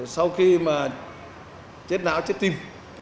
sau khi mà chết não chết tim